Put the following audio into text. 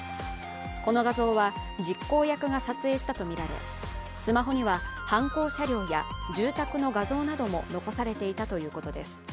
この画像は実行役が撮影したとみられスマホには犯行車両や住宅の画像なども残されていたということです。